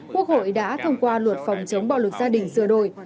quốc hội đã thông qua luật phòng chống bạo lực gia đình sửa đổi